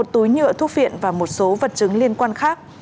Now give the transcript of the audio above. một túi nhựa thuốc viện và một số vật chứng liên quan khác